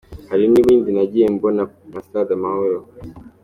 Hari n’ibindi nagiye mbumba nka Stade Amahoro.